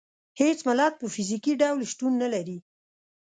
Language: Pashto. هېڅ ملت په فزیکي ډول شتون نه لري.